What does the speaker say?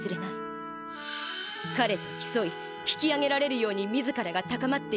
彼と競い引き上げられるように自らが高まっていったあの頃。